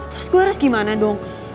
terus gue harus gimana dong